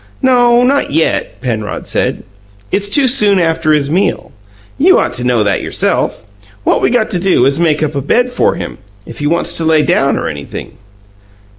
"No; not yet," Penrod said. "It's too soon after his meal. You ought to know that yourself. What we got to do is to make up a bed for him if he wants to lay down or anything."